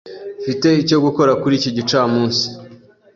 Mfite icyo gukora kuri iki gicamunsi.